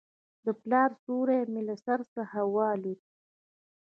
د پلار سیوری مې له سر څخه والوت.